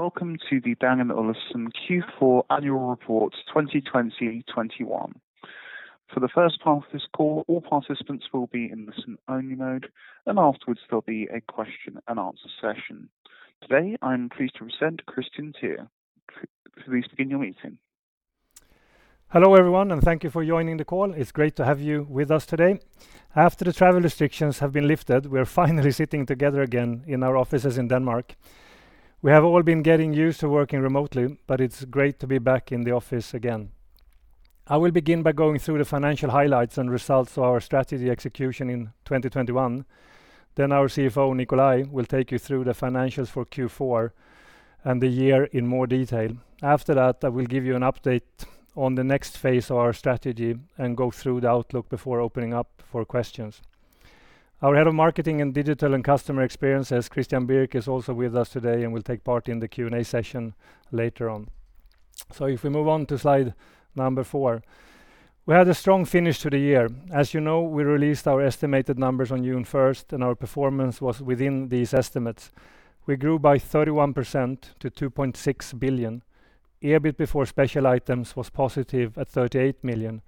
Welcome to the Bang & Olufsen Q4 annual report 2020/21. For the first part of this call, all participants will be in listen-only mode, and afterwards there'll be a question and answer session. Today, I'm pleased to present Kristian Teär to host in your meeting. Hello, everyone, thank you for joining the call. It's great to have you with us today. After the travel restrictions have been lifted, we're finally sitting together again in our offices in Denmark. We have all been getting used to working remotely, it's great to be back in the office again. I will begin by going through the financial highlights and results of our strategy execution in 2021. Our CFO, Nikolaj, will take you through the financials for Q4 and the year in more detail. After that, I will give you an update on the next phase of our strategy and go through the outlook before opening up for questions. Our head of Marketing, Digital & Customer Experience, Christian Birk, is also with us today and will take part in the Q&A session later on. If we move on to slide number four. We had a strong finish to the year. As you know, we released our estimated numbers on June 1st, and our performance was within these estimates. We grew by 31% to 2.6 billion. EBIT before special items was positive at 38 million,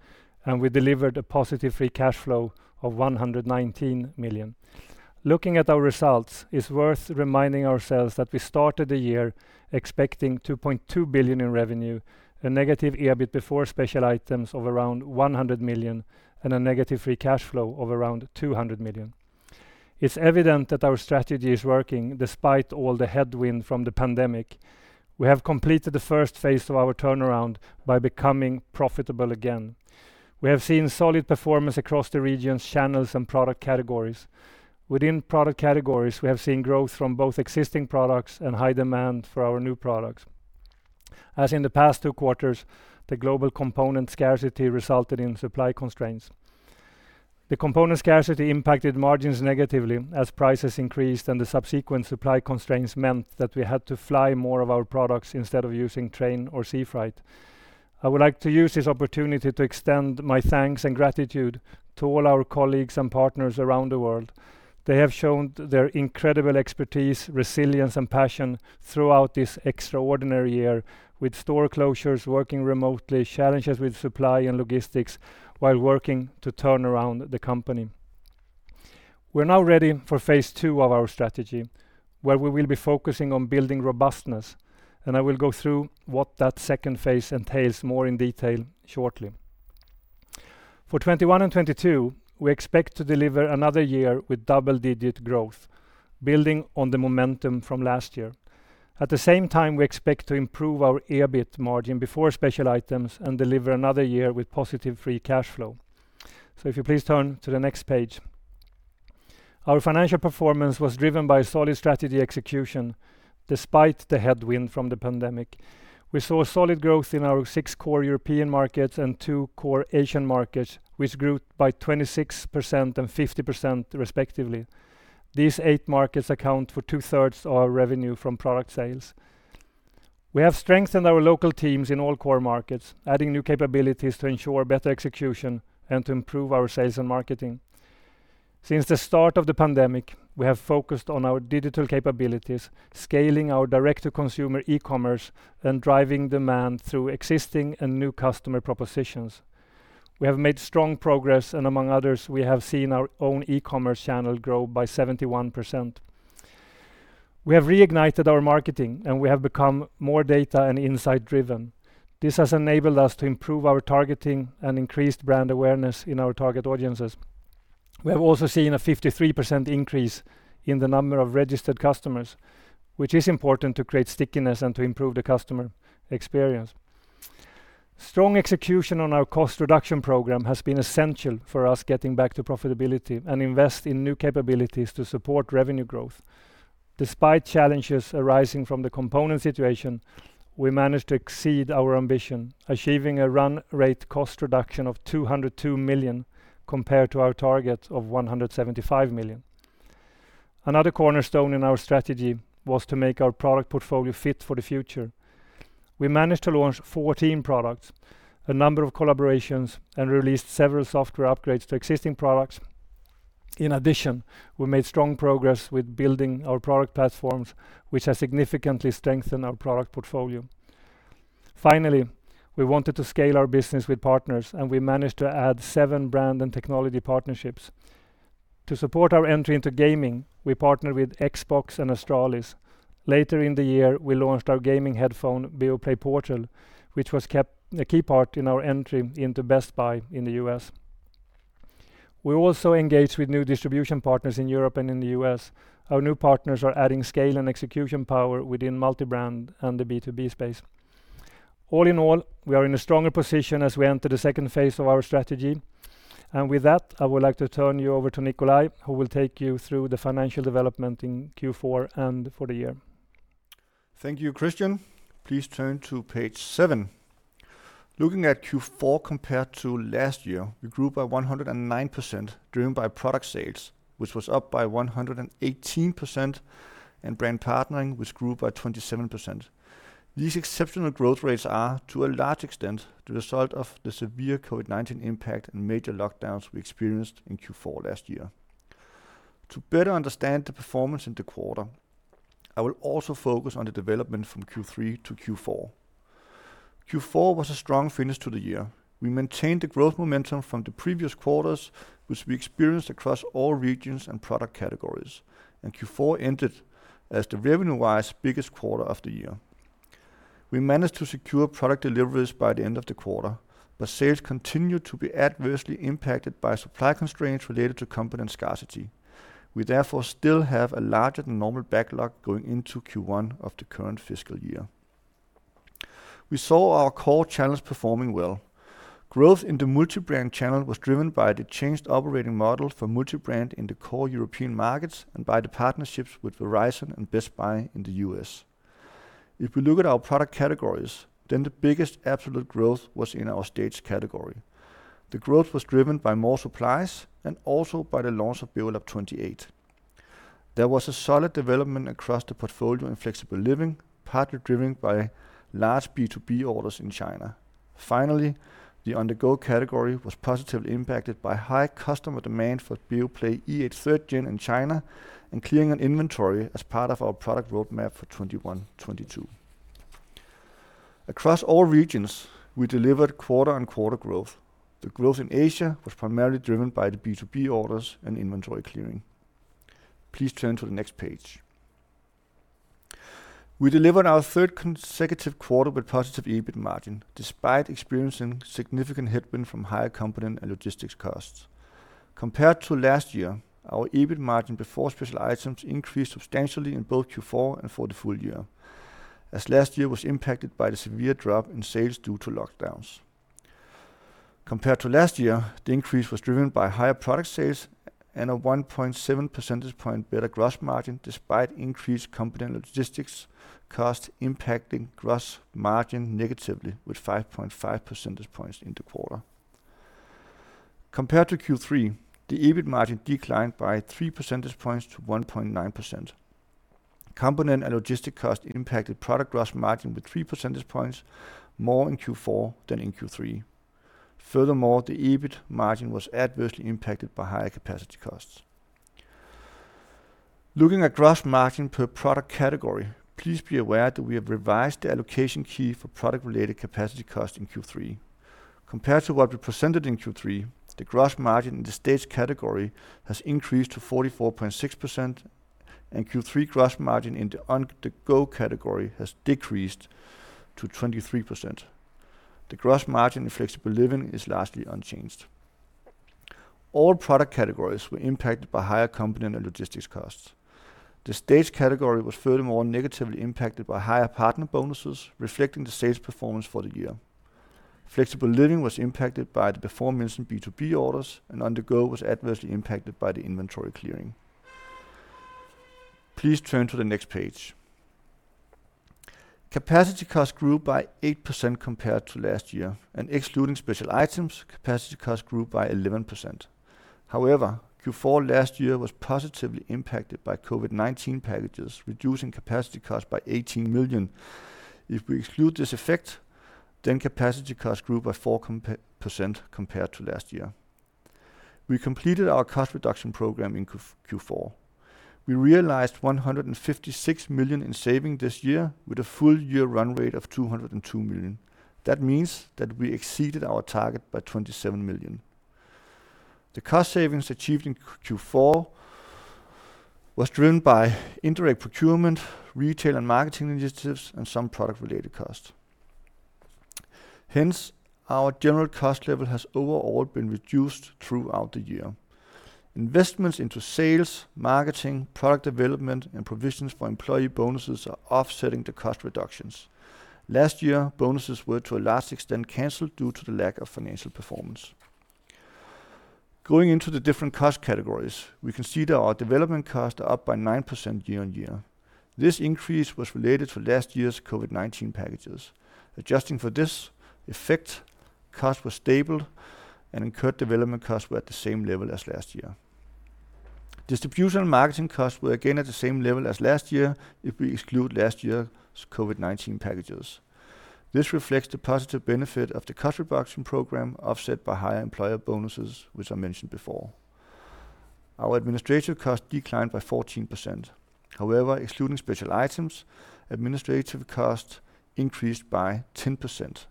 and we delivered a positive free cash flow of 119 million. Looking at our results, it's worth reminding ourselves that we started the year expecting 2.2 billion in revenue, a negative EBIT before special items of around 100 million, and a negative free cash flow of around 200 million. It's evident that our strategy is working despite all the headwind from the pandemic. We have completed the first phase of our turnaround by becoming profitable again. We have seen solid performance across the regions, channels, and product categories. Within product categories, we have seen growth from both existing products and high demand for our new products. As in the past two quarters, the global component scarcity resulted in supply constraints. The component scarcity impacted margins negatively as prices increased, and the subsequent supply constraints meant that we had to fly more of our products instead of using train or sea freight. I would like to use this opportunity to extend my thanks and gratitude to all our colleagues and partners around the world. They have shown their incredible expertise, resilience, and passion throughout this extraordinary year, with store closures, working remotely, challenges with supply and logistics while working to turn around the company. We're now ready for phase two of our strategy, where we will be focusing on building robustness, and I will go through what that second phase entails more in detail shortly. For 2021 and 2022, we expect to deliver another year with double-digit growth, building on the momentum from last year. At the same time, we expect to improve our EBIT margin before special items and deliver another year with positive free cash flow. If you please turn to the next page. Our financial performance was driven by solid strategy execution despite the headwind from the pandemic. We saw solid growth in our six core European markets and two core Asian markets, which grew by 26% and 50% respectively. These eight markets account for two-thirds of our revenue from product sales. We have strengthened our local teams in all core markets, adding new capabilities to ensure better execution and to improve our sales and marketing. Since the start of the pandemic, we have focused on our digital capabilities, scaling our direct-to-consumer e-commerce, and driving demand through existing and new customer propositions. We have made strong progress, and among others, we have seen our own e-commerce channel grow by 71%. We have reignited our marketing. We have become more data and insight driven. This has enabled us to improve our targeting and increase brand awareness in our target audiences. We have also seen a 53% increase in the number of registered customers, which is important to create stickiness and to improve the customer experience. Strong execution on our cost reduction program has been essential for us getting back to profitability and invest in new capabilities to support revenue growth. Despite challenges arising from the component situation, we managed to exceed our ambition, achieving a run rate cost reduction of 202 million compared to our target of 175 million. Another cornerstone in our strategy was to make our product portfolio fit for the future. We managed to launch 14 products, a number of collaborations, and released several software upgrades for existing products. In addition, we made strong progress with building our product platforms, which has significantly strengthened our product portfolio. We wanted to scale our business with partners, and we managed to add seven brand and technology partnerships. To support our entry into gaming, we partnered with Xbox and Astralis. Later in the year, we launched our gaming headphone, Beoplay Portal, which was a key part in our entry into Best Buy in the U.S. We also engaged with new distribution partners in Europe and in the U.S. Our new partners are adding scale and execution power within multi-brand and the B2B space. We are in a stronger position as we enter the second phase of our strategy. With that, I would like to turn you over to Nikolaj, who will take you through the financial development in Q4 and for the year. Thank you, Kristian. Please turn to page seven. Looking at Q4 compared to last year, we grew by 109%, driven by product sales, which was up by 118%, and brand partnering, which grew by 27%. These exceptional growth rates are, to a large extent, the result of the severe COVID-19 impact and major lockdowns we experienced in Q4 last year. To better understand the performance in the quarter, I will also focus on the development from Q3 to Q4. Q4 was a strong finish to the year. We maintained the growth momentum from the previous quarters, which we experienced across all regions and product categories, and Q4 ended as the revenue-wise biggest quarter of the year. We managed to secure product deliveries by the end of the quarter, but sales continued to be adversely impacted by supply constraints related to component scarcity. We therefore still have a larger than normal backlog going into Q1 of the current fiscal year. We saw our core channels performing well. Growth in the multi-brand channel was driven by the changed operating model for multi-brand in the core European markets and by the partnerships with Verizon and Best Buy in the U.S. If we look at our product categories, the biggest absolute growth was in our staged category. The growth was driven by more supplies and also by the launch of Beolab 28. There was a solid development across the portfolio in flexible living, partly driven by large B2B orders in China. Finally, the On-The-Go category was positively impacted by high customer demand for Beoplay E8 Third Gen in China and clearing on inventory as part of our product roadmap for 2021, 2022. Across all regions, we delivered quarter-on-quarter growth. The growth in Asia was primarily driven by the B2B orders and inventory clearing. Please turn to the next page. We delivered our third consecutive quarter with positive EBIT margin, despite experiencing significant headwind from higher component and logistics costs. Compared to last year, our EBIT margin before special items increased substantially in both Q4 and for the full year, as last year was impacted by the severe drop in sales due to lockdowns. Compared to last year, the increase was driven by higher product sales and a 1.7 percentage point better gross margin despite increased component and logistics cost impacting gross margin negatively with 5.5 percentage points in the quarter. Compared to Q3, the EBIT margin declined by three percentage points to 1.9%. Component and logistics cost impacted product gross margin with three percentage points more in Q4 than in Q3. Furthermore, the EBIT margin was adversely impacted by higher capacity costs. Looking at gross margin per product category, please be aware that we have revised the allocation key for product-related capacity cost in Q3. Compared to what we presented in Q3, the gross margin in the Staged category has increased to 44.6%, and Q3 gross margin in the On-the-go category has decreased to 23%. The gross margin in Flexible living is largely unchanged. All product categories were impacted by higher component and logistics costs. The Staged category was furthermore negatively impacted by higher partner bonuses reflecting the sales performance for the year. Flexible living was impacted by the aforementioned B2B orders, and On-the-go was adversely impacted by the inventory clearing. Please turn to the next page. Capacity costs grew by 8% compared to last year, and excluding special items, capacity costs grew by 11%. However, Q4 last year was positively impacted by COVID-19 packages, reducing capacity costs by 18 million. If we exclude this effect, capacity costs grew by 4% compared to last year. We completed our cost reduction program in Q4. We realized 156 million in saving this year with a full-year run rate of 202 million. That means that we exceeded our target by 27 million. The cost savings achieved in Q4 was driven by indirect procurement, retail and marketing initiatives, and some product-related costs. Hence, our general cost level has overall been reduced throughout the year. Investments into sales, marketing, product development, and provisions for employee bonuses are offsetting the cost reductions. Last year, bonuses were to a large extent canceled due to the lack of financial performance. Going into the different cost categories, we can see that our development costs are up by 9% year-on-year. This increase was related to last year's COVID-19 packages. Adjusting for this effect, costs were stable and current development costs were at the same level as last year. Distribution and marketing costs were again at the same level as last year if we exclude last year's COVID-19 packages. This reflects the positive benefit of the cost reduction program offset by higher employer bonuses, which I mentioned before. Our administrative costs declined by 14%. However, excluding special items, administrative costs increased by 10%.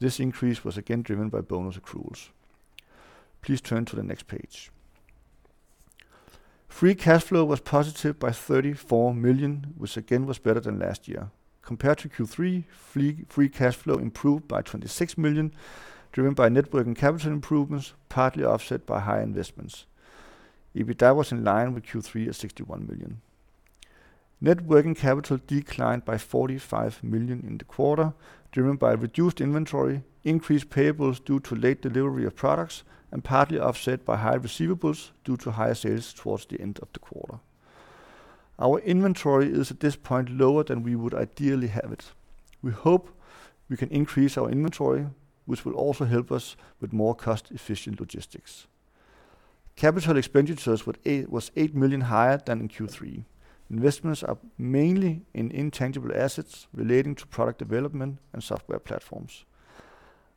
This increase was again driven by bonus accruals. Please turn to the next page. Free cash flow was positive by 34 million, which again was better than last year. Compared to Q3, free cash flow improved by 26 million, driven by net working capital improvements, partly offset by higher investments. EBITDA was in line with Q3 at 61 million. Net working capital declined by 45 million in the quarter, driven by reduced inventory, increased payables due to late delivery of products, partly offset by higher receivables due to higher sales towards the end of the quarter. Our inventory is at this point lower than we would ideally have it. We hope we can increase our inventory, which will also help us with more cost-efficient logistics. Capital expenditures was 8 million higher than in Q3. Investments are mainly in intangible assets relating to product development and software platforms.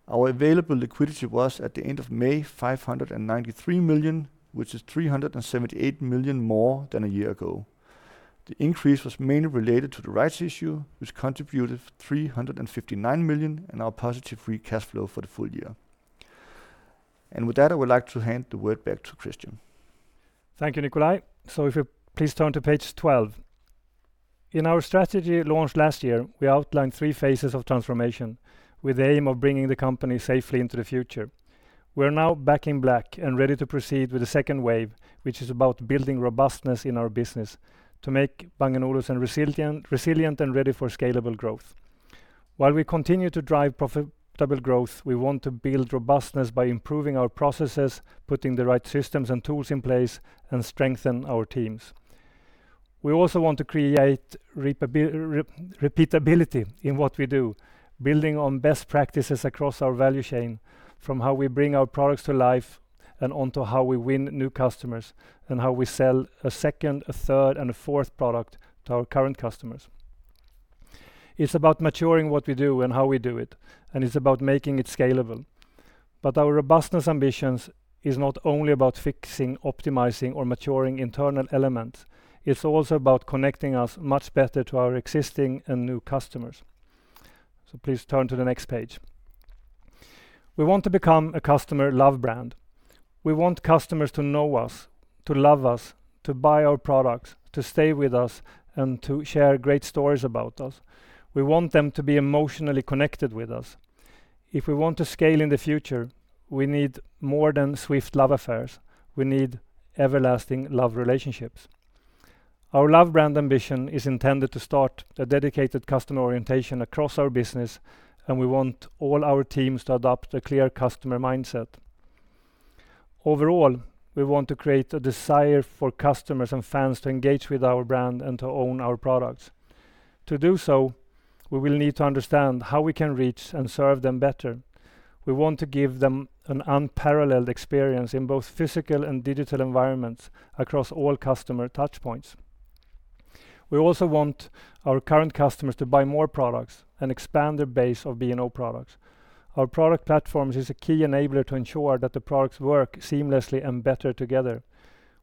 Our available liquidity was, at the end of May, 593 million, which is 378 million more than a year ago. The increase was mainly related to the rights issue, which contributed 359 million in our positive free cash flow for the full year. With that, I would like to hand the word back to Kristian. Thank you, Nikolaj. If you please turn to page 12. In our strategy launch last year, we outlined three phases of transformation with the aim of bringing the company safely into the future. We are now back in black and ready to proceed with the second wave, which is about building robustness in our business to make Bang & Olufsen resilient and ready for scalable growth. While we continue to drive profitable growth, we want to build robustness by improving our processes, putting the right systems and tools in place, and strengthen our teams. We also want to create repeatability in what we do, building on best practices across our value chain, from how we bring our products to life and onto how we win new customers, and how we sell a second, a third, and a fourth product to our current customers. It's about maturing what we do and how we do it, and it's about making it scalable. Our robustness ambitions is not only about fixing, optimizing, or maturing internal elements, it's also about connecting us much better to our existing and new customers. Please turn to the next page. We want to become a customer love brand. We want customers to know us, to love us, to buy our products, to stay with us, and to share great stories about us. We want them to be emotionally connected with us. If we want to scale in the future, we need more than swift love affairs. We need everlasting love relationships. Our love brand ambition is intended to start a dedicated customer orientation across our business, and we want all our teams to adopt a clear customer mindset. Overall, we want to create a desire for customers and fans to engage with our brand and to own our products. To do so, we will need to understand how we can reach and serve them better. We want to give them an unparalleled experience in both physical and digital environments across all customer touchpoints. We also want our current customers to buy more products and expand their base of B&O products. Our product platform is a key enabler to ensure that the products work seamlessly and better together.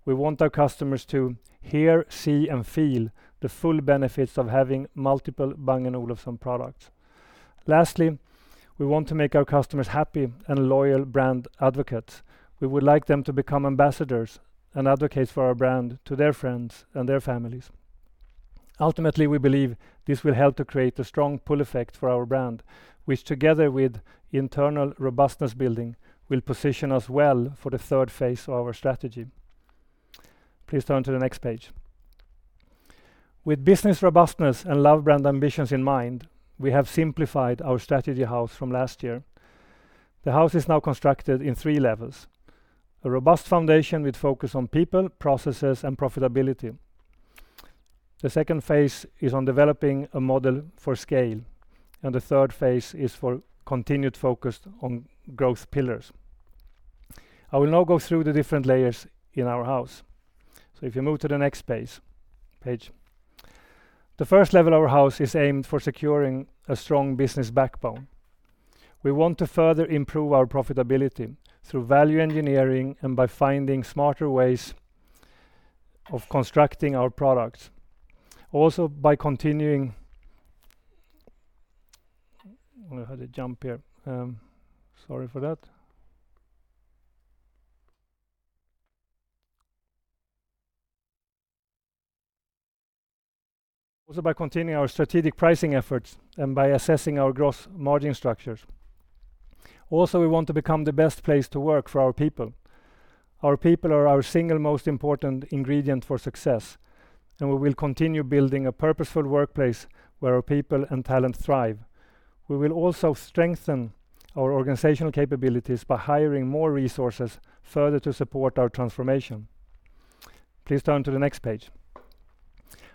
We want our customers to hear, see, and feel the full benefits of having multiple Bang & Olufsen products. Lastly, we want to make our customers happy and loyal brand advocates. We would like them to become ambassadors and advocates for our brand to their friends and their families. Ultimately, we believe this will help to create a strong pull effect for our brand, which together with internal robustness building, will position us well for the third phase of our strategy. Please turn to the next page. With business robustness and love brand ambitions in mind, we have simplified our strategy house from last year. The house is now constructed in three levels. A robust foundation with focus on people, processes, and profitability. The second phase is on developing a model for scale, and the third phase is for continued focus on growth pillars. I will now go through the different layers in our house. If you move to the next page. The first level of our house is aimed for securing a strong business backbone. We want to further improve our profitability through value engineering and by finding smarter ways of constructing our products. I had a jump here. Sorry for that. By continuing our strategic pricing efforts and by assessing our growth margin structures. We want to become the best place to work for our people. Our people are our single most important ingredient for success, and we will continue building a purposeful workplace where our people and talent thrive. We will also strengthen our organizational capabilities by hiring more resources further to support our transformation. Please turn to the next page.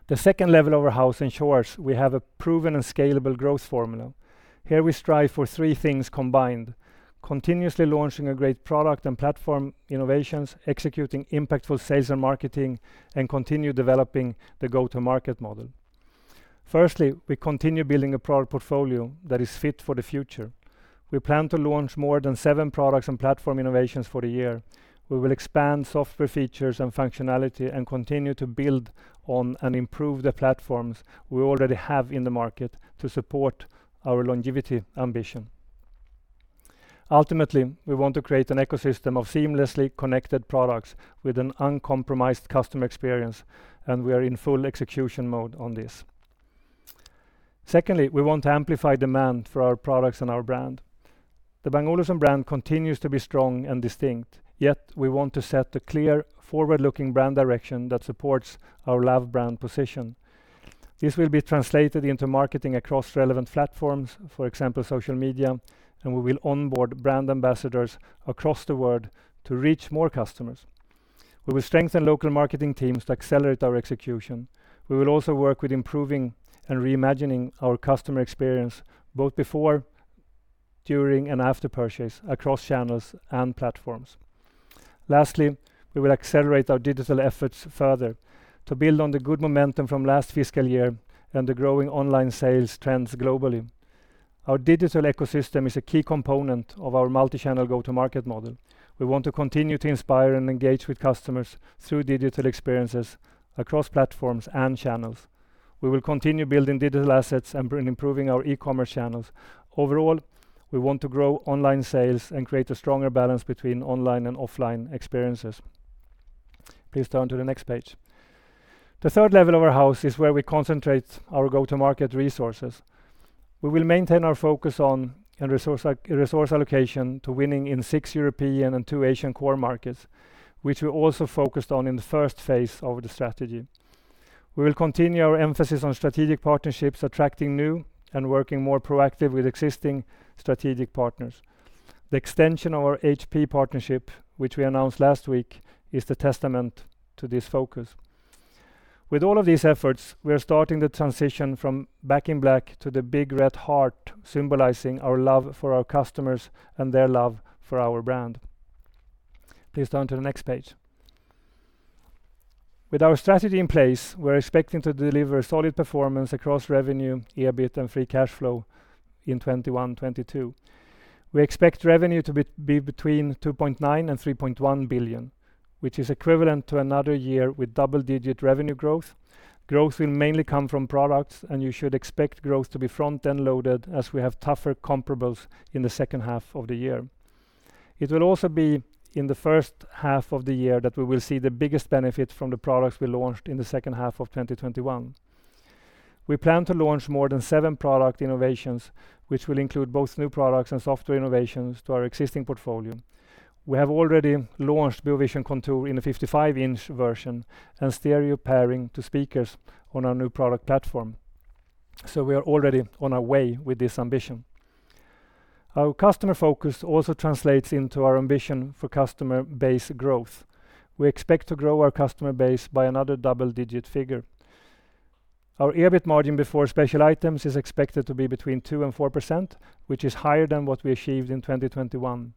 The second level of our house ensures we have a proven and scalable growth formula. Here we strive for three things combined, continuously launching a great product and platform innovations, executing impactful sales and marketing, and continue developing the go-to-market model. Firstly, we continue building a product portfolio that is fit for the future. We plan to launch more than seven products and platform innovations for the year. We will expand software features and functionality and continue to build on and improve the platforms we already have in the market to support our longevity ambition. Ultimately, we want to create an ecosystem of seamlessly connected products with an uncompromised customer experience, and we are in full execution mode on this. Secondly, we want to amplify demand for our products and our brand. The Bang & Olufsen brand continues to be strong and distinct, yet we want to set a clear, forward-looking brand direction that supports our love brand position. This will be translated into marketing across relevant platforms, for example, social media, and we will onboard brand ambassadors across the world to reach more customers. We will strengthen local marketing teams to accelerate our execution. We will also work with improving and reimagining our customer experience, both before, during, and after purchase, across channels and platforms. Lastly, we will accelerate our digital efforts further to build on the good momentum from last fiscal year and the growing online sales trends globally. Our digital ecosystem is a key component of our multi-channel go-to-market model. We want to continue to inspire and engage with customers through digital experiences across platforms and channels. We will continue building digital assets and improving our e-commerce channels. Overall, we want to grow online sales and create a stronger balance between online and offline experiences. Please turn to the next page. The third level of our house is where we concentrate our go-to-market resources. We will maintain our focus on and resource allocation to winning in six European and two Asian core markets, which we also focused on in the first phase of the strategy. We will continue our emphasis on strategic partnerships, attracting new and working more proactively with existing strategic partners. The extension of our HP partnership, which we announced last week, is a testament to this focus. With all of these efforts, we are starting the transition from Back in Black to the big red heart, symbolizing our love for our customers and their love for our brand. Please turn to the next page. With our strategy in place, we're expecting to deliver solid performance across revenue, EBIT, and free cash flow in 2021, 2022. We expect revenue to be between 2.9 billion and 3.1 billion, which is equivalent to another year with double-digit revenue growth. Growth will mainly come from products, and you should expect growth to be front-end loaded as we have tougher comparables in the second half of the year. It will also be in the first half of the year that we will see the biggest benefit from the products we launched in the second half of 2021. We plan to launch more than 7 product innovations, which will include both new products and software innovations to our existing portfolio. We have already launched Beovision Contour in a 55-inch version and stereo pairing to speakers on our new product platform. We are already on our way with this ambition. Our customer focus also translates into our ambition for customer base growth. We expect to grow our customer base by another double-digit figure. Our EBIT margin before special items is expected to be between 2% and 4%, which is higher than what we achieved in 2021.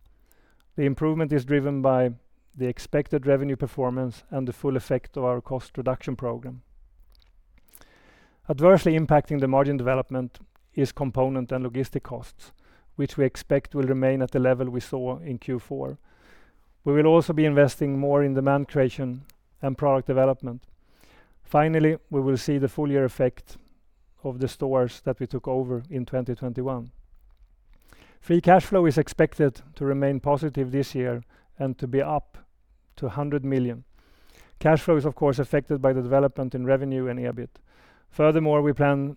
The improvement is driven by the expected revenue performance and the full effect of our cost reduction program. Adversely impacting the margin development is component and logistic costs, which we expect will remain at the level we saw in Q4. We will also be investing more in demand creation and product development. Finally, we will see the full year effect of the stores that we took over in 2021. Free cash flow is expected to remain positive this year and to be up to 100 million. Cash flow is, of course, affected by the development in revenue and EBIT. Furthermore, we plan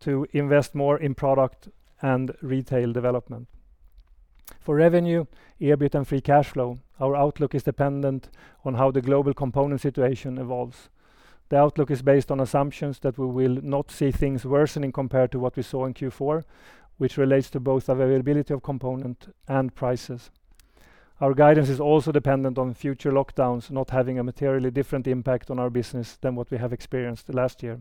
to invest more in product and retail development. For revenue, EBIT, and free cash flow, our outlook is dependent on how the global component situation evolves. The outlook is based on assumptions that we will not see things worsening compared to what we saw in Q4, which relates to both availability of component and prices. Our guidance is also dependent on future lockdowns not having a materially different impact on our business than what we have experienced last year.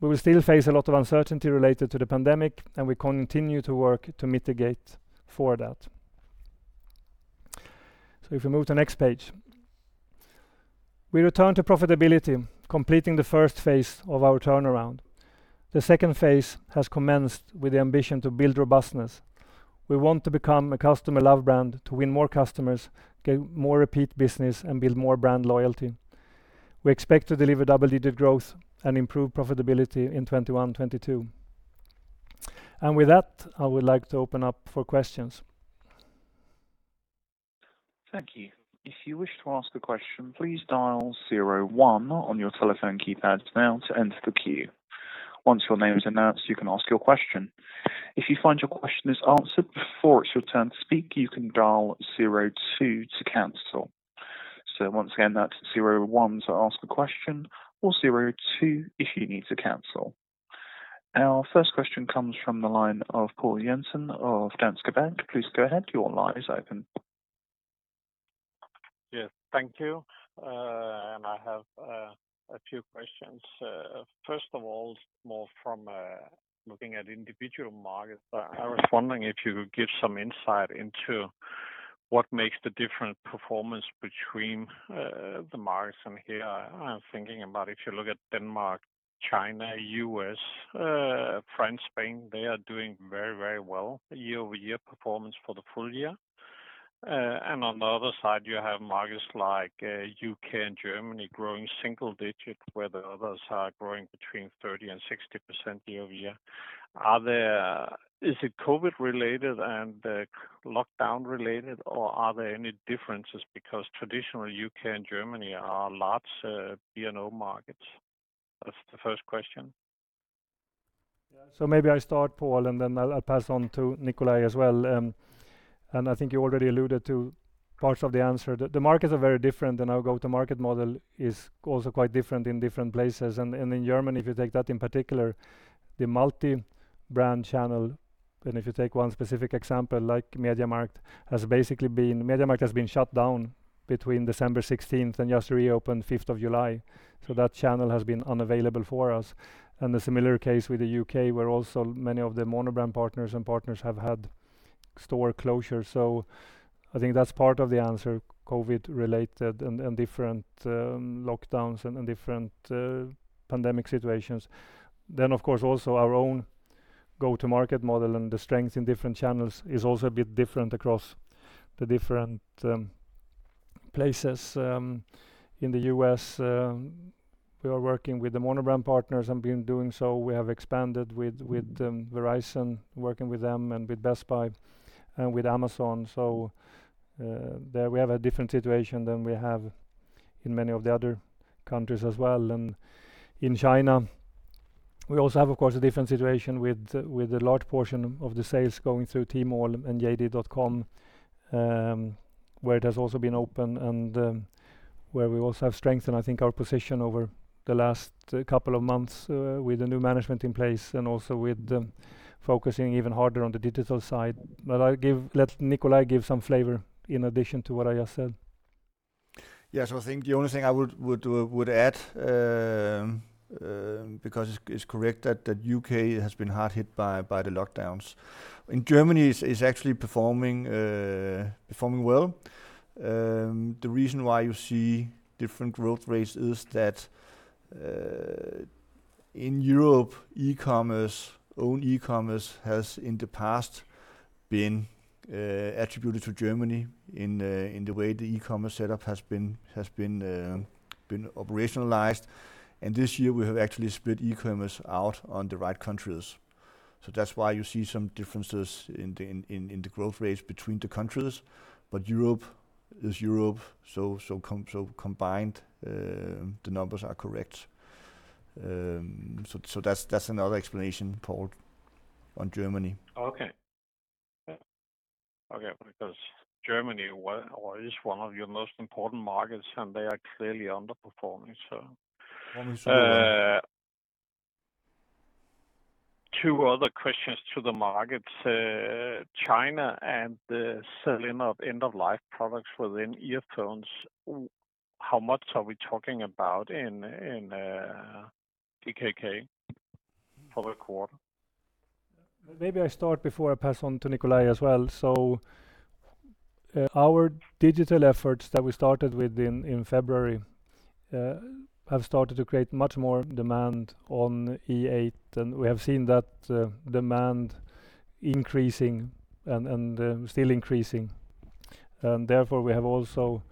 We will still face a lot of uncertainty related to the pandemic, and we continue to work to mitigate for that. If we move to next page. We return to profitability, completing the first phase of our turnaround. The second phase has commenced with the ambition to build robustness. We want to become a customer-loved brand, to win more customers, gain more repeat business, and build more brand loyalty. We expect to deliver double-digit growth and improve profitability in 2021, 2022. With that, I would like to open up for questions. Thank you. If you wish to ask a question, please dial zero one on your telephone keypads now to enter the queue. Once your name is announced, you can ask your question. If you find your question is answered before it's your turn to speak, you can dial zero two to cancel. Once again, that's zero one to ask a question, or zero two if you need to cancel. Our first question comes from the line of Poul Jessen of Danske Bank. Please go ahead, your line is open. Yes. Thank you. I have a few questions. First of all, more from looking at individual markets. I was wondering if you could give some insight into what makes the different performance between the markets in here. I'm thinking about if you look at Denmark, China, U.S., France, Spain, they are doing very well, year-over-year performance for the full year. On the other side, you have markets like U.K. and Germany growing single-digit, where the others are growing between 30%-60% year-over-year. Is it COVID-related and lockdown-related, or are there any differences? Traditionally, U.K. and Germany are large B&O markets. That's the first question. Maybe I start, Poul, and then I'll pass on to Nikolaj as well. I think you already alluded to parts of the answer. The markets are very different, and our go-to-market model is also quite different in different places. In Germany, if you take that in particular, the multi-brand channel, and if you take one specific example like MediaMarkt has been shut down between December 16th and just reopened 5th of July. That channel has been unavailable for us. A similar case with the U.K., where also many of the monobrand partners and partners have had store closures. I think that's part of the answer, COVID related and different lockdowns and different pandemic situations. Of course, also our own go-to-market model and the strength in different channels is also a bit different across the different places. In the U.S., we are working with the monobrand partners and been doing so. We have expanded with Verizon, working with them and with Best Buy and with Amazon. There we have a different situation than we have in many of the other countries as well. In China, we also have, of course, a different situation with a large portion of the sales going through Tmall and JD.com, where it has also been open and where we also have strengthened, I think, our position over the last couple of months with the new management in place and also with focusing even harder on the digital side. Let Nikolaj give some flavor in addition to what I just said. Yes, I think the only thing I would add, because it's correct that U.K. has been hard hit by the lockdowns, and Germany is actually performing well. The reason why you see different growth rates is that in Europe, own e-commerce has in the past been attributed to Germany in the way the e-commerce setup has been operationalized, and this year we have actually split e-commerce out on the right countries. That's why you see some differences in the growth rates between the countries. Europe is Europe, so combined, the numbers are correct. That's another explanation, Poul, on Germany. Okay. Because Germany is one of your most important markets, and they are clearly underperforming. 100%. Two other questions to the markets. China and the sell-in of end-of-life products within earphones. How much are we talking about in DKK for the quarter? I start before I pass on to Nikolaj as well. Our digital efforts that we started with in February have started to create much more demand on E8, and we have seen that demand increasing and still increasing. Therefore, we have also,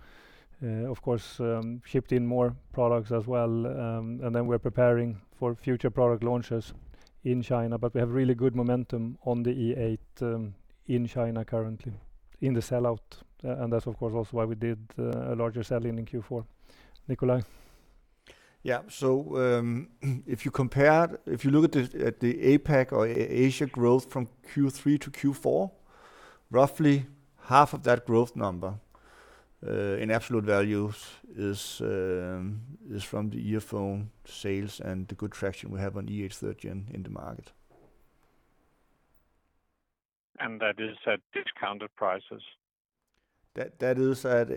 of course, shipped in more products as well, and then we're preparing for future product launches in China. We have really good momentum on the E8 in China currently in the sellout, and that's of course, also why we did a larger sell-in in Q4. Nikolaj. Yeah. If you look at the APAC or Asia growth from Q3 to Q4, roughly half of that growth number in absolute values is from the earphone sales and the good traction we have on E8 third Gen in the market. That is at discounted prices? That is at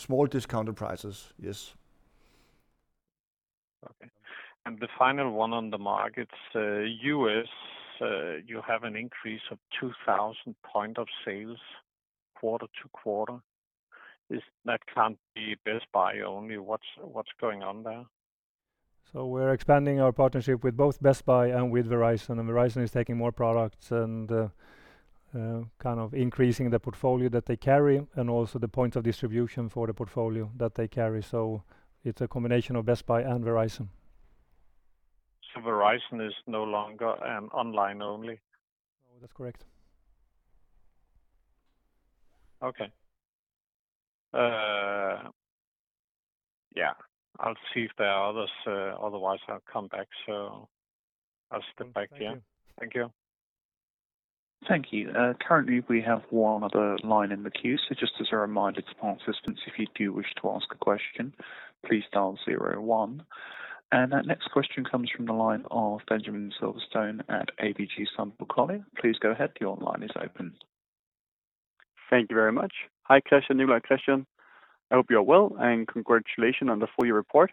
small discounted prices, yes. Okay, the final one on the markets, U.S., you have an increase of 2,000 point of sales quarter-to-quarter. That can't be Best Buy only. What's going on there? We're expanding our partnership with both Best Buy and with Verizon, and Verizon is taking more products and kind of increasing the portfolio that they carry and also the point of distribution for the portfolio that they carry. It's a combination of Best Buy and Verizon. Verizon is no longer an online only? No, that's correct. Okay. Yeah, I'll see if there are others. Otherwise, I'll come back. I'll step back then. Thank you. Thank you. Currently, we have 1 other line in the queue. Just as a reminder to participants, if you do wish to ask a question, please dial zero one. Our next question comes from the line of Benjamin Silverstone at ABG Sundal Collier. Please go ahead. Your line is open. Thank you very much. Hi, Kristian. New question. I hope you're well, and congratulations on the full year report.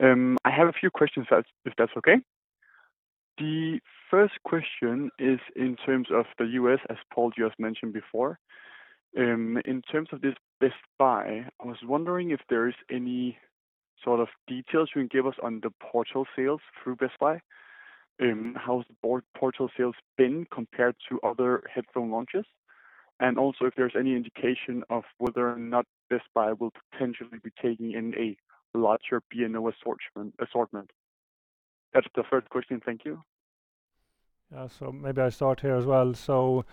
I have a few questions if that's okay. The first question is in terms of the U.S., as Poul, you just mentioned before. In terms of this Best Buy, I was wondering if there is any sort of details you can give us on the Portal sales through Best Buy. How has Portal sales been compared to other headphone launches? Also if there's any indication of whether or not Best Buy will potentially be taking in a larger B&O assortment. That's the first question. Thank you. Maybe I start here as well.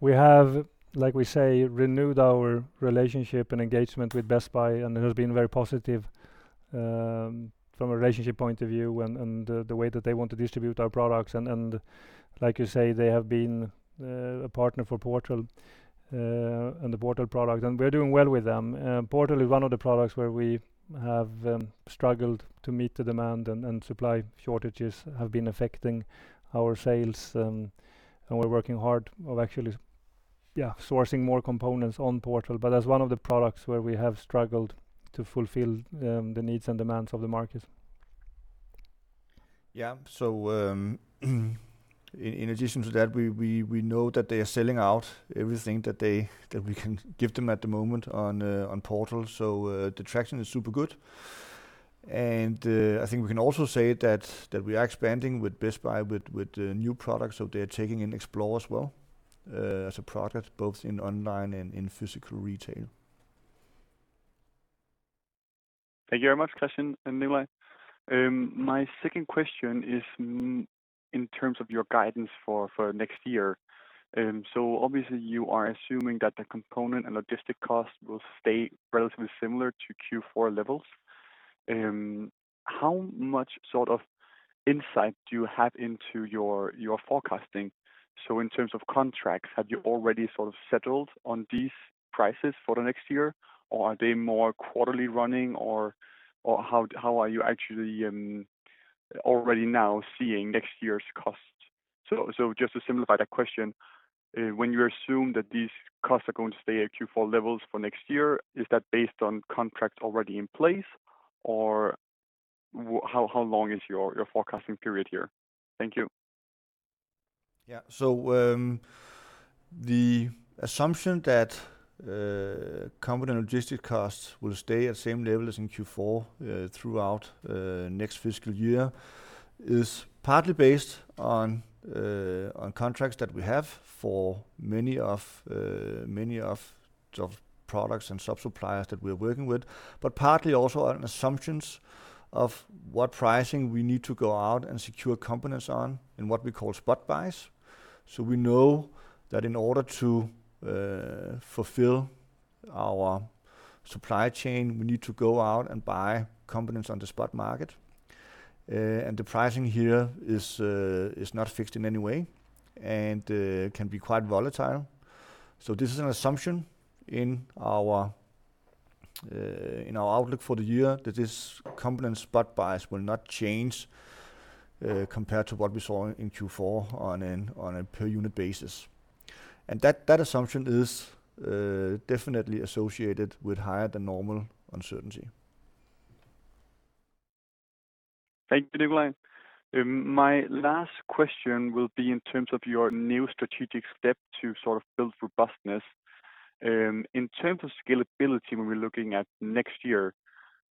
We have, like we say, renewed our relationship and engagement with Best Buy, and it has been very positive from a relationship point of view and the way that they want to distribute our products. Like you say, they have been a partner for Portal and the Portal product, and we're doing well with them. Portal is one of the products where we have struggled to meet the demand, and supply shortages have been affecting our sales, and we're working hard of actually sourcing more components on Portal, that's one of the products where we have struggled to fulfill the needs and demands of the market. Yeah. In addition to that, we know that they are selling out everything that we can give them at the moment on Portal. The traction is super good, and I think we can also say that we are expanding with Best Buy with the new products. They're taking in Explore as well as a product both in online and in physical retail. Thank you very much, Kristian and Nikolaj. My second question is in terms of your guidance for next year. Obviously you are assuming that the component and logistic cost will stay relatively similar to Q4 levels. How much sort of insight do you have into your forecasting? In terms of contracts, have you already sort of settled on these prices for the next year or are they more quarterly running or how are you actually already now seeing next year's costs? Just to simplify that question, when you assume that these costs are going to stay at Q4 levels for next year, is that based on contracts already in place or how long is your forecasting period here? Thank you. Yeah. The assumption that component and logistics costs will stay at same levels in Q4 throughout next fiscal year is partly based on contracts that we have for many of products and sub-suppliers that we are working with, but partly also on assumptions of what pricing we need to go out and secure components on, in what we call spot buys. We know that in order to fulfill our supply chain, we need to go out and buy components on the spot market. The pricing here is not fixed in any way and can be quite volatile. This is an assumption in our outlook for the year that this component spot buys will not change, compared to what we saw in Q4 on a per unit basis. That assumption is definitely associated with higher than normal uncertainty. Thank you, Nikolaj. My last question will be in terms of your new strategic step to sort of build robustness. In terms of scalability, when we're looking at next year,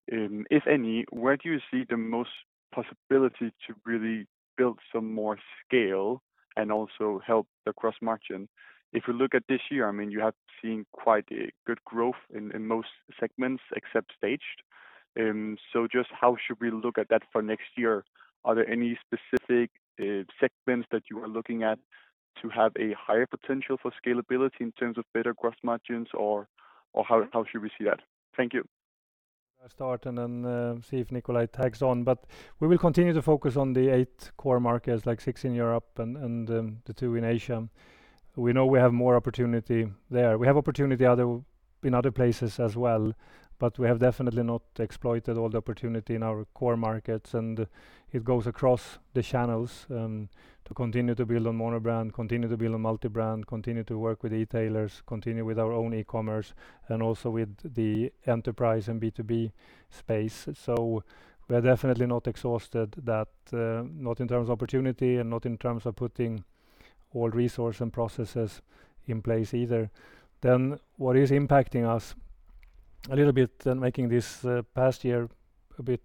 if any, where do you see the most possibility to really build some more scale and also help the gross margin? If you look at this year, I mean, you have seen quite a good growth in most segments except Staged. Just how should we look at that for next year? Are there any specific segments that you are looking at to have a higher potential for scalability in terms of better gross margins or how should we see that? Thank you. I'll start and then see if Nikolaj tags on. We will continue to focus on the eight core markets, like six in Europe and the two in Asia. We know we have more opportunity there. We have opportunity in other places as well, but we have definitely not exploited all the opportunity in our core markets, and it goes across the channels to continue to build on mono brand, continue to build on multi brand, continue to work with e-tailers, continue with our own e-commerce and also with the enterprise and B2B space. We are definitely not exhausted that, not in terms of opportunity and not in terms of putting all resource and processes in place either. What is impacting us a little bit, making this past year a bit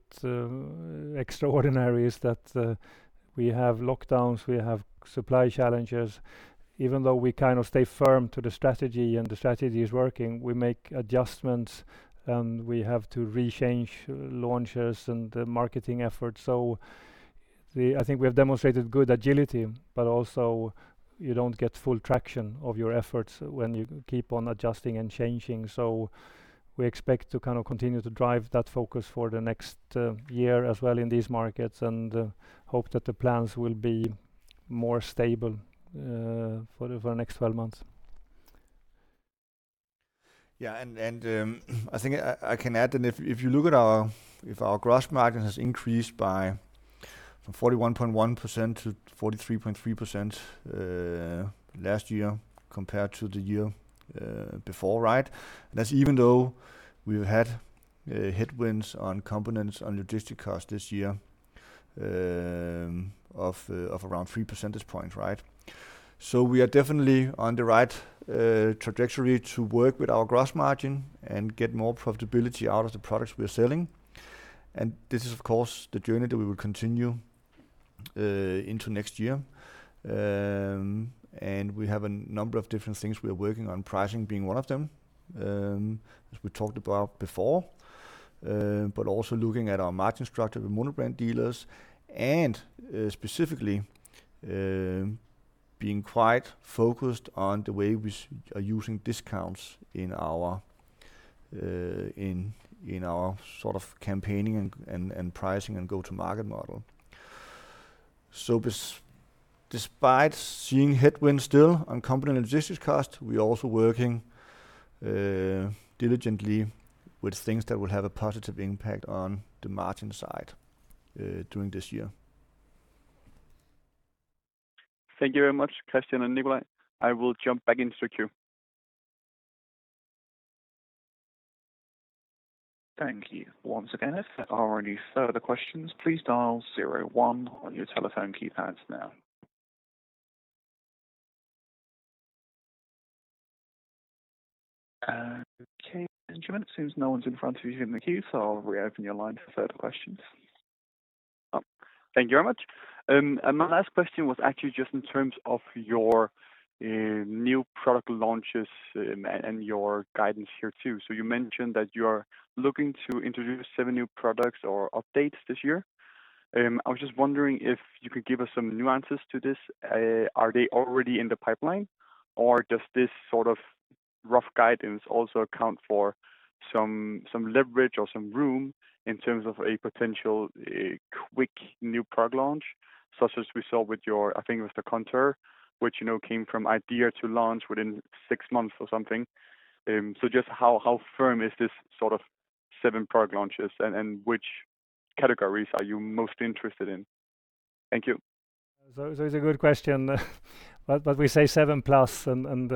extraordinary, is that we have lockdowns, we have supply challenges. Even though we kind of stay firm to the strategy and the strategy is working, we make adjustments and we have to rechange launches and marketing efforts. I think we've demonstrated good agility, but also you don't get full traction of your efforts when you keep on adjusting and changing. We expect to kind of continue to drive that focus for the next year as well in these markets and hope that the plans will be more stable for the next 12 months. I think I can add that if our gross margin has increased by 41.1%-43.3% last year compared to the year before. That's even though we've had headwinds on components and logistic costs this year of around three percentage points. We are definitely on the right trajectory to work with our gross margin and get more profitability out of the products we are selling. This is of course the journey that we will continue into next year. We have a number of different things we are working on, pricing being one of them as we talked about before, but also looking at our margin structure with mono brand dealers and specifically being quite focused on the way we are using discounts in our sort of campaigning and pricing and go-to market model. Despite seeing headwinds still on component and logistics cost, we are also working diligently with things that will have a positive impact on the margin side during this year. Thank you very much, Kristian and Nikolaj. I will jump back in short queue. Thank you once again. Okay, Benjamin, it seems no one's in front of you in the queue, so I'll reopen your line for further questions. Thank you very much. My last question was actually just in terms of your new product launches and your guidance here too. You mentioned that you are looking to introduce seven new products or updates this year. I was just wondering if you could give us some nuances to this. Are they already in the pipeline, or does this sort of rough guidance also account for some leverage or some room in terms of a potential quick new product launch? Such as we saw with your, I think it was the Contour, which came from idea to launch within six months or something. Just how firm is this sort of seven product launches? Which categories are you most interested in? Thank you. It's a good question. We say seven plus, and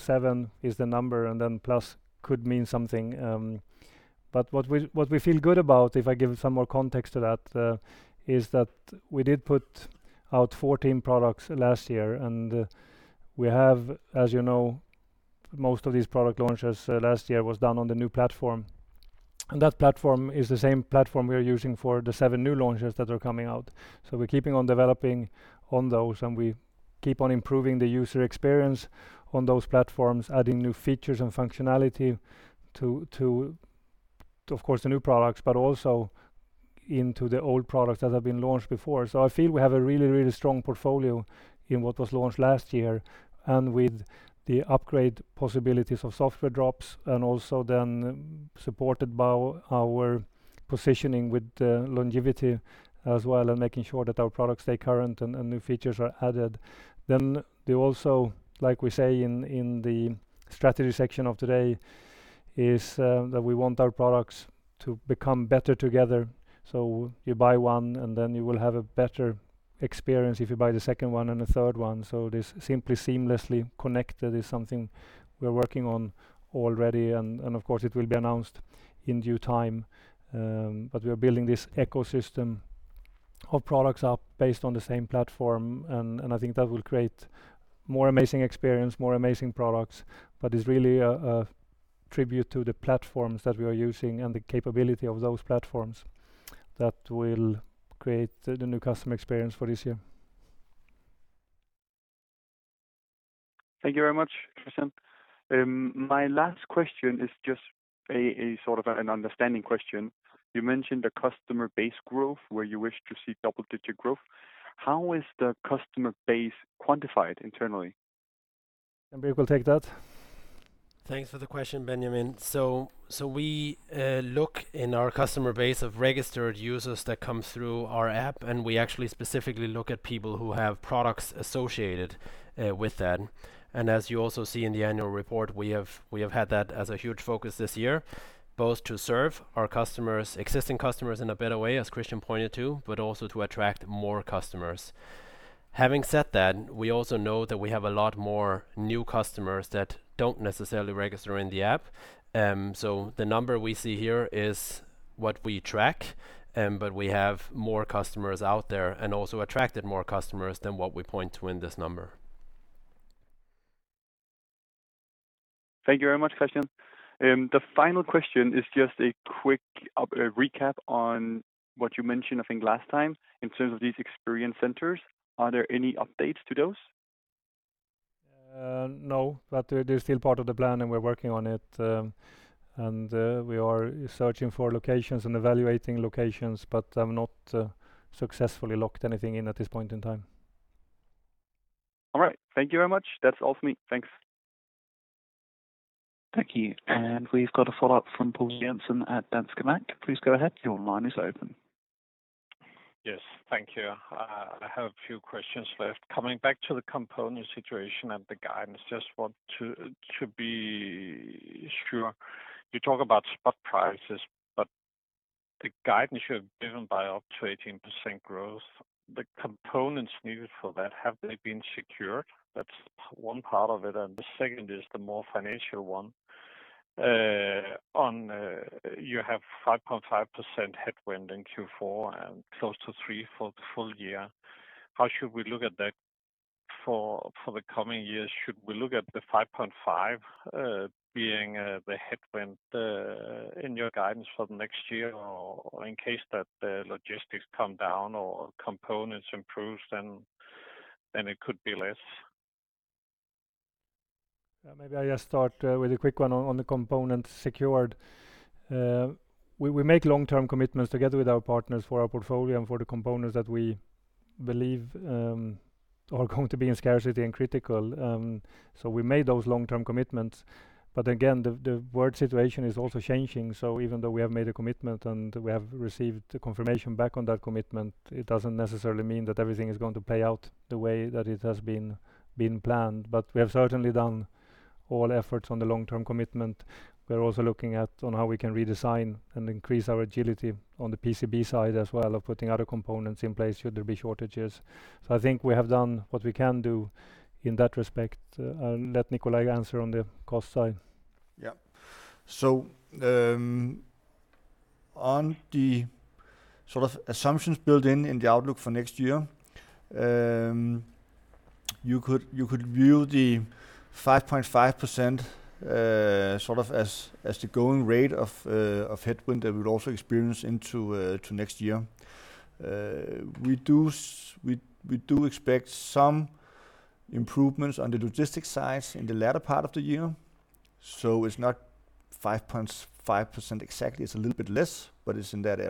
seven is the number, plus could mean something. What we feel good about, if I give some more context to that, is that we did put out 14 products last year, and we have, as you know, most of these product launches last year was done on the new platform. That platform is the same platform we are using for the seven new launches that are coming out. We're keeping on developing on those, and we keep on improving the user experience on those platforms, adding new features and functionality to, of course, the new products, but also into the old products that have been launched before. I feel we have a really strong portfolio in what was launched last year and with the upgrade possibilities of software drops and also then supported by our positioning with the longevity as well and making sure that our products stay current and new features are added. They also, like we say in the strategy section of today, is that we want our products to become better together. You buy one, and then you will have a better experience if you buy the second one and the third one. This simply seamlessly connected is something we're working on already, and of course, it will be announced in due time. We're building this ecosystem of products up based on the same platform, and I think that will create more amazing experience, more amazing products. It's really a tribute to the platforms that we are using and the capability of those platforms that will create the new customer experience for this year. Thank you very much, Kristian. My last question is just a sort of an understanding question. You mentioned the customer base growth, where you wish to see double-digit growth. How is the customer base quantified internally? Maybe I'll take that. Thanks for the question, Benjamin. We look in our customer base of registered users that come through our app, and we actually specifically look at people who have products associated with that. As you also see in the annual report, we have had that as a huge focus this year, both to serve our existing customers in a better way, as Kristian pointed to, but also to attract more customers. Having said that, we also know that we have a lot more new customers that don't necessarily register in the app. The number we see here is what we track, but we have more customers out there and also attracted more customers than what we point to in this number. Thank you very much, Christian. The final question is just a quick recap on what you mentioned, I think last time, in terms of these experience centers. Are there any updates to those? No, they're still part of the plan, and we're working on it. We are searching for locations and evaluating locations, but have not successfully locked anything in at this point in time. All right. Thank you very much. That's all from me. Thanks. Thank you. We've got a follow-up from Poul Jessen at Danske Bank. Please go ahead. Your line is open. Yes. Thank you. I have a few questions left. Coming back to the component situation and the guidance, just want to be sure. You talk about spot prices, but the guidance you have given by up to 18% growth, the components needed for that, have they been secured? That's one part of it, and the second is the more financial one. You have 5.5% headwind in Q4 and close to three for the full year. How should we look at that for the coming years? Should we look at the 5.5% being the headwind in your guidance for the next year, or in case that the logistics come down or components improves, then it could be less? Maybe I just start with a quick one on the components secured. We make long-term commitments together with our partners for our portfolio and for the components that we believe are going to be in scarcity and critical. We made those long-term commitments. Again, the world situation is also changing. Even though we have made a commitment and we have received the confirmation back on that commitment, it doesn't necessarily mean that everything is going to play out the way that it has been planned. We have certainly done all efforts on the long-term commitment. We're also looking at on how we can redesign and increase our agility on the PCB side as well of putting other components in place should there be shortages. I think we have done what we can do in that respect. I'll let Nikolaj answer on the cost side. On the assumptions built in the outlook for next year, you could view the 5.5% as the going rate of headwind that we'll also experience into next year. We do expect some improvements on the logistics side in the latter part of the year. It's not 5.5% exactly. It's a little bit less, but it's in that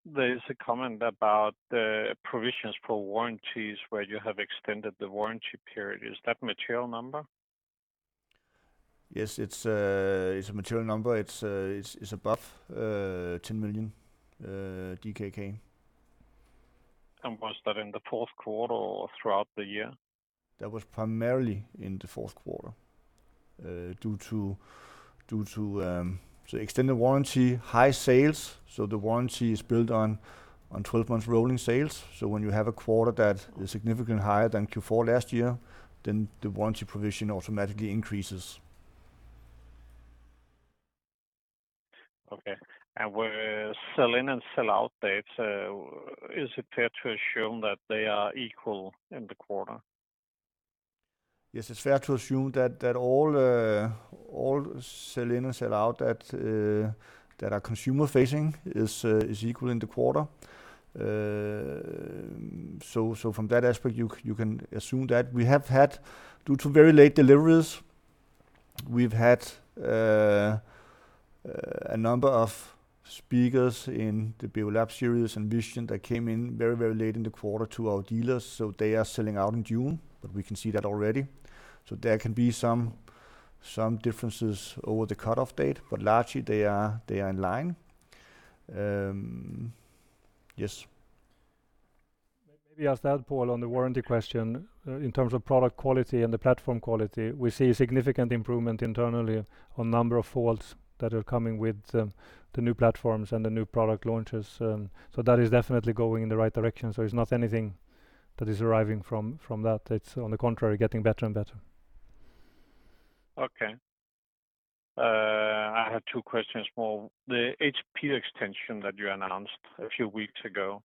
area. Okay. There's a comment about the provisions for warranties where you have extended the warranty period. Is that material number? Yes, it's a material number. It's above 10 million DKK. Was that in the fourth quarter or throughout the year? That was primarily in the fourth quarter due to the extended warranty, high sales. The warranty is built on 12 months rolling sales. When you have a quarter that is significantly higher than Q4 last year, the warranty provision automatically increases. Okay, with sell-in and sell-out data, is it fair to assume that they are equal in the quarter? Yes, it's fair to assume that all sell-in and sell-out that are consumer facing is equal in the quarter. From that aspect, you can assume that we have had, due to very late deliveries, we've had a number of speakers in the Beolab series and vision that came in very late in the quarter to our dealers. They are selling out in June, but we can see that already. There can be some differences over the cutoff date, but largely they are in line. Yes. Maybe I'll add, Poul, on the warranty question. In terms of product quality and the platform quality, we see a significant improvement internally on number of faults that are coming with the new platforms and the new product launches. That is definitely going in the right direction. It's not anything that is arriving from that. It's on the contrary, getting better and better. Okay. I have two questions more. The HP extension that you announced a few weeks ago,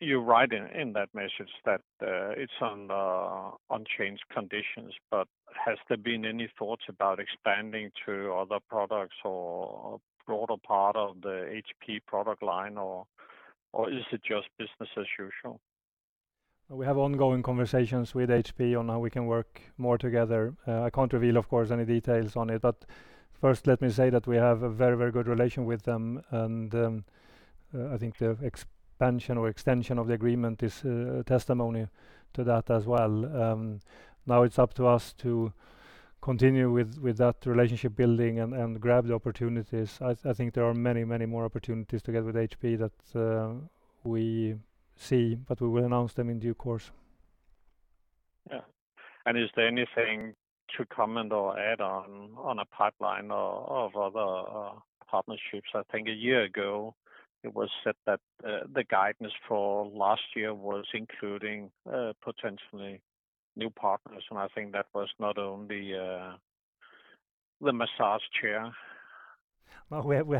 you're right in that message that it's on changed conditions, but has there been any thoughts about expanding to other products or a broader part of the HP product line, or is it just business as usual? We have ongoing conversations with HP on how we can work more together. I can't reveal, of course, any details on it, but first let me say that we have a very good relationship with them, and I think the expansion or extension of the agreement is a testimony to that as well. Now it's up to us to continue with that relationship building and grab the opportunities. I think there are many more opportunities together with HP that we see. We will announce them in due course. Yeah. Is there anything to comment or add on a pipeline of other partnerships? I think one year ago it was said that the guidance for last year was including potentially new partners, and I think that was not only the massage chair. We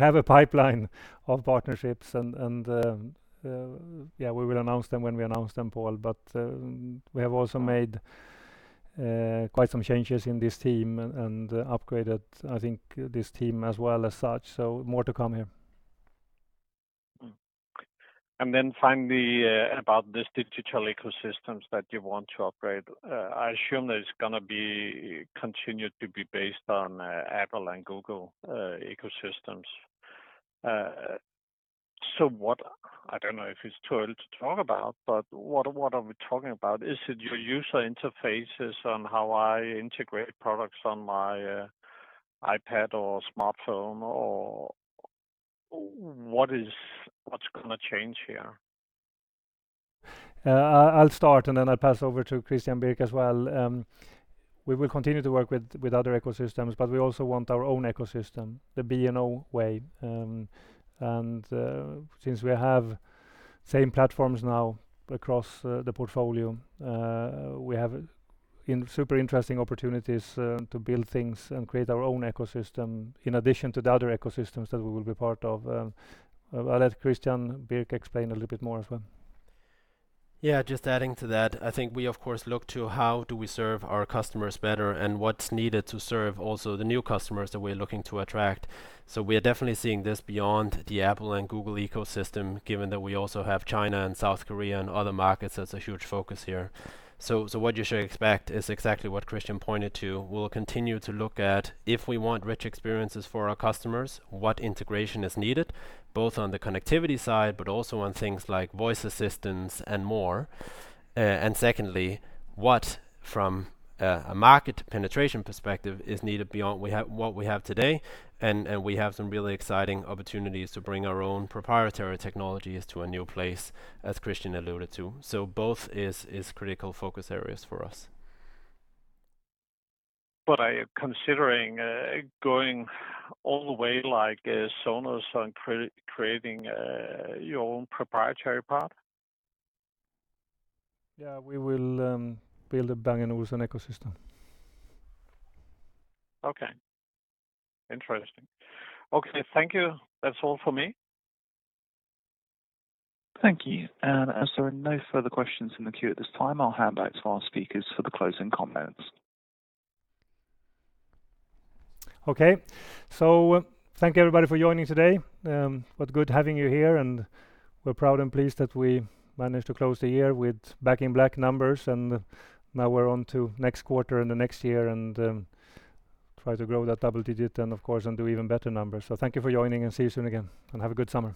have a pipeline of partnerships, and we will announce them when we announce them, Poul. We have also made quite some changes in this team and upgraded, I think, this team as well as such. More to come here. Finally, about these digital ecosystems that you want to upgrade. I assume that it's going to be continued to be based on Apple and Google ecosystems. What, I don't know if it's too early to talk about, but what are we talking about? Is it your user interfaces on how I integrate products on my iPad or smartphone, or what's going to change here? I'll start and then I'll pass over to Christian Birk as well. We will continue to work with other ecosystems, but we also want our own ecosystem, the B&O way. Since we have same platforms now across the portfolio, we have super interesting opportunities to build things and create our own ecosystem in addition to the other ecosystems that we'll be part of. I'll let Christian Birk explain a little bit more as well. Just adding to that. I think we, of course, look to how do we serve our customers better and what's needed to serve also the new customers that we're looking to attract. We are definitely seeing this beyond the Apple and Google ecosystem, given that we also have China and South Korea and other markets as a huge focus here. What you should expect is exactly what Kristian pointed to. We'll continue to look at if we want rich experiences for our customers, what integration is needed, both on the connectivity side, but also on things like voice assistants and more. Secondly, what from a market penetration perspective is needed beyond what we have today. We have some really exciting opportunities to bring our own proprietary technologies to a new place, as Kristian alluded to. Both is critical focus areas for us. Are you considering going all the way like Sonos on creating your own proprietary product? Yeah, we will build a Bang & Olufsen ecosystem. Okay. Interesting. Okay, thank you. That's all for me. Thank you. As there are no further questions in the queue at this time, I'll hand back to our speakers for the closing comments. Okay. Thank you, everybody, for joining today. Good having you here, and we're proud and pleased that we managed to close the year with Back in Black numbers. Now we're on to next quarter and the next year and try to grow that double-digit and of course, do even better numbers. Thank you for joining, and see you soon again, and have a good summer.